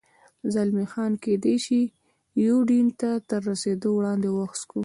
زلمی خان: کېدای شي یوډین ته تر رسېدو وړاندې، وڅښو.